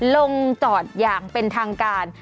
ลงจอดอย่างเป็นทางการ